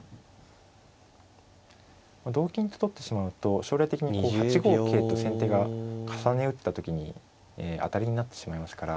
同金と取ってしまうと将来的に８五桂と先手が重ね打った時に当たりになってしまいますから。